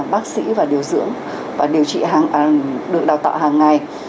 tám trăm linh bác sĩ và điều dưỡng và điều trị được đào tạo hàng ngày